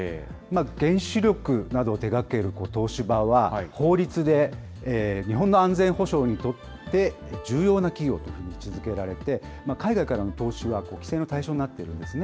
原子力などを手がける東芝は、法律で日本の安全保障にとって重要な企業と位置づけられて、海外からの投資は規制の対象になっているんですね。